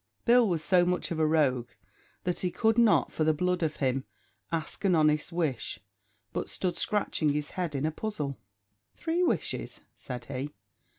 Bill was so much of a rogue that he could not, for the blood of him, ask an honest wish, but stood scratching his head in a puzzle. "Three wishes!" said he.